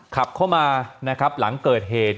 ขับเข้ามานะครับหลังเกิดเหตุ